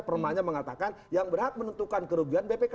permanya mengatakan yang berhak menentukan kerugian bpk